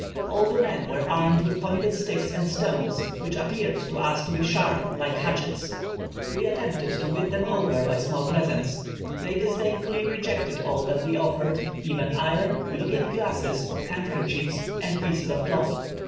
All the men were armed with pointed sticks and stones, which appeared to us to be sharp, like hatchets. "We attempted to win them over by small presents. They disdainfully rejected all that we offered, even iron, looking glasses, handkerchiefs, and pieces of cloth.